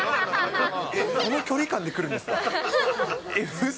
この距離感で来るんですか？